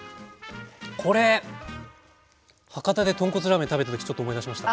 これ博多で豚骨ラーメン食べた時ちょっと思い出しました。